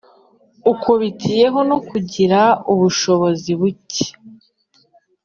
ukubitiyeho no kugira ubushobozi buke.